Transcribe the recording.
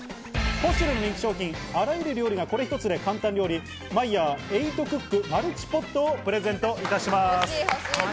ポシュレの人気商品、あらゆる料理はこれ一つで簡単調理「マイヤー８クックマルチポット」をプレゼントいたします。